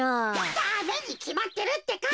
ダメにきまってるってか。